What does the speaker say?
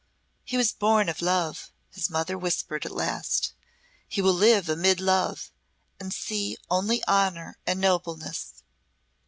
"He was born of love," his mother whispered at last. "He will live amid love and see only honour and nobleness."